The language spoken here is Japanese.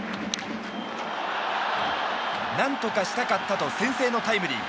何とかしたかったと先制のタイムリー。